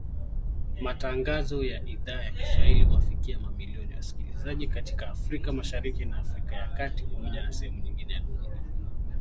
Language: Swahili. Matangazo ya Idhaa ya Kiswahili huwafikia mamilioni ya wasikilizaji katika Afrika Mashariki na Afrika ya kati Pamoja na sehemu nyingine za dunia.